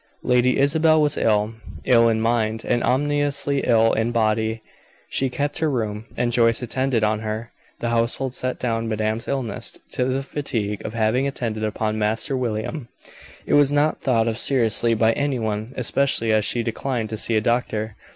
Lady Isabel was ill. Ill in mind, and ominously ill in body. She kept her room, and Joyce attended on her. The household set down madame's illness to the fatigue of having attended upon Master William; it was not thought of seriously by any one, especially as she declined to see a doctor.